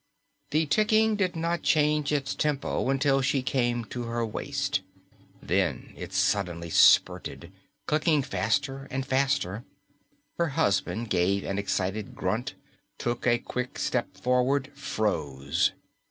The ticking did not change its tempo until she came to her waist. Then it suddenly spurted, clicking faster and faster. Her husband gave an excited grunt, took a quick step forward, froze.